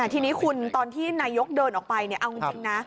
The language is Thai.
ทีนี้คุณตอนที่นายกเดินออกไปเอาจริงนะ